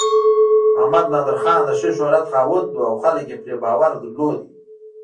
محمد نادر خان د ښه شهرت خاوند و او خلک یې پرې باور درلود.